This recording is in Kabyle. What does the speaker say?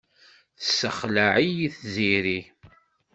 Tessexleɛ-iyi Tiziri.